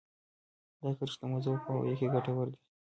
دا کرښې د موضوع په پوهاوي کې ګټورې دي